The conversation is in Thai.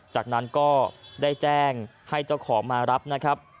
จากนั้นก็ได้แจ้งให้เจ้าของมารับนะครับ